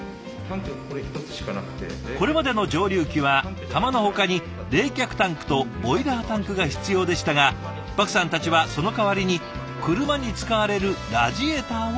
これまでの蒸留機はかまのほかに冷却タンクとボイラータンクが必要でしたがパクさんたちはその代わりに車に使われるラジエーターを活用。